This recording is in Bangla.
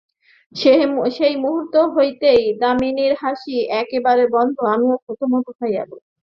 সেই মুহূর্তেই দামিনীর হাসি একেবারে বন্ধ, আমিও থতমত খাইয়া গেলাম।